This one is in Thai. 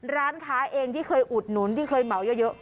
ร้านค้าเองที่เคยอุดหนุนที่เคยเหมาเยอะ